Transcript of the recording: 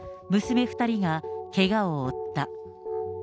娘２人がけがを負った。